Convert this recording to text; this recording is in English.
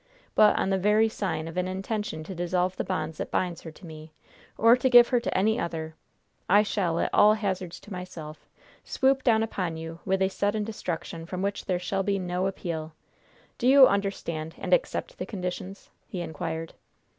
But, on the very sign of an intention to dissolve the bond that binds her to me, or to give her to any other, I shall at all hazards to myself swoop down upon you with a sudden destruction from which there shall be no appeal! Do you understand and accept the conditions?" he inquired.